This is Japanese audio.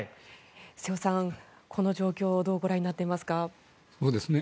瀬尾さん、この状況をどうご覧になっていますか？